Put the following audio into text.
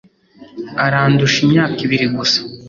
Arandusha imyaka ibiri gusa.